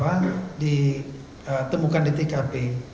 baik di botol maupun di kelas yang ada